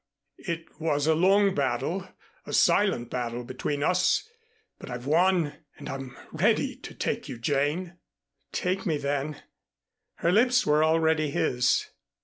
It was a long battle, a silent battle between us, but I've won. And I'm ready to take you, Jane." "Take me, then." Her lips were already his.